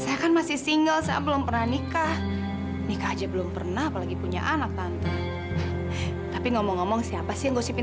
aku ingin dia sebagai anak hatinya sendiri